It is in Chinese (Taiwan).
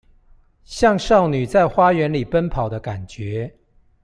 像少女在花園裡奔跑的感覺